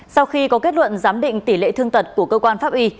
sau khi có kết luận giám định tỷ lệ thương tật của cơ quan pháp y